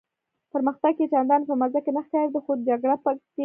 پرمختګ یې چنداني په مزه کې نه ښکارېده، خو جګړه به کېدله.